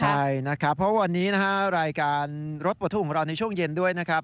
ใช่นะครับเพราะวันนี้นะฮะรายการรถปลดทุกข์ของเราในช่วงเย็นด้วยนะครับ